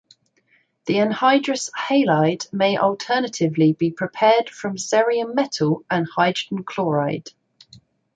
The anhydrous halide may alternatively be prepared from cerium metal and hydrogen chloride.